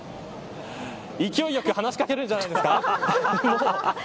勢いよく話し掛けるんじゃないですか。